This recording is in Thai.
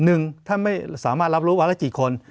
หนึ่งท่านไม่สามารถรับรู้วันละกี่คน